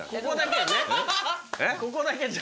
ここだけね。